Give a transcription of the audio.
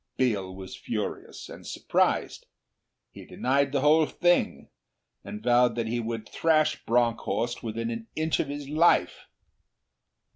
Biel was furious and surprised. He denied the whole thing, and vowed that he would thrash Bronckhorst within an inch of his life.